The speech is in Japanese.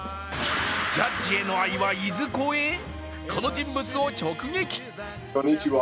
ジャッジへの愛はいずこへ、この人物を直撃。